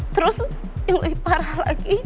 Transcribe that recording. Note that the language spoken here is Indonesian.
terus lelah st trans lagi